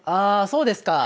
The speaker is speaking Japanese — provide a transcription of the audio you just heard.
そうですか。